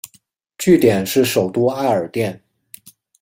据点是首都艾尔甸。